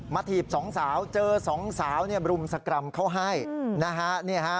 มาถีบสองสาวเจอสองสาวรุมสกรำเขาให้นะฮะ